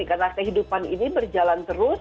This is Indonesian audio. karena kehidupan ini berjalan terus